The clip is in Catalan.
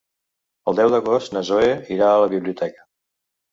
El deu d'agost na Zoè irà a la biblioteca.